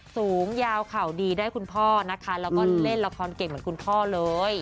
สูงยาวเข่าดีได้คุณพ่อนะคะแล้วก็เล่นละครเก่งเหมือนคุณพ่อเลย